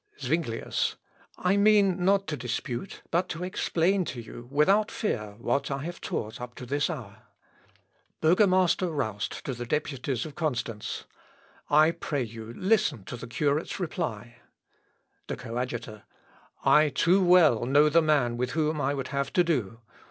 Zuinglius. "I mean not to dispute, but to explain to you, without fear, what I have taught up to this hour." Burgomaster Roust to the Deputies of Constance. "I pray you listen to the curate's reply." The Coadjutor. "I too well know the man with whom I would have to do.